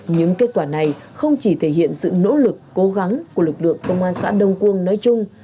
những kết quả này không chỉ thể hiện sự nỗ lực cố gắng của lực lượng công an xã đông quâng nói chung